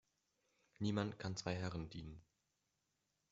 Niemand kann zwei Herren dienen.